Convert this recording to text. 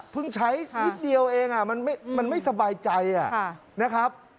พึงใช้นิดเดียวเองมันไม่สบายใจ